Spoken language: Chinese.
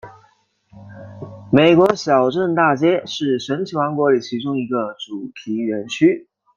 美国小镇大街是神奇王国里其中一个主题园区。